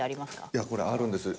いやこれあるんですよ。